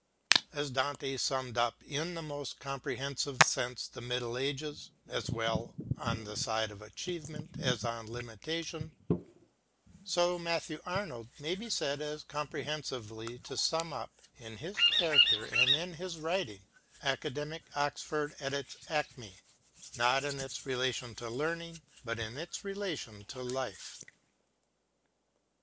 As Dante summed up in the most comprehensive sense the Middle Ages, as well on the side of achievement as of limitation, so Matthew Arnold may be said as comprehen sively to sum up, in his character and in his writings, Academic Oxford at its acme, not in its relation to learning, but in its relation to life.